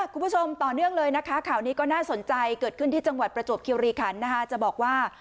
คุณผู้ชมต่อเนื่องเลยนะคะข่าวนี้ก็น่าสนใจเกิดขึ้นที่จังหวัดประจวบคิวรีคันนะคะจะบอกว่า